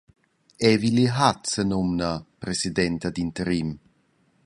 Era Willi Hatt senumna «president ad interim».